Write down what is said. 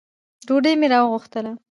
ډوډۍ مي راوغوښته .